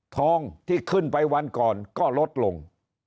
ทองที่ขึ้นไปวันก่อนก็ลดลง